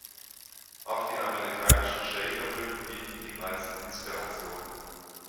Auch die amerikanischen Shaker-Möbel dienten ihm als Inspiration.